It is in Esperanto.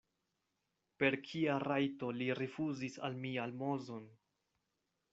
Per kia rajto li rifuzis al mi almozon?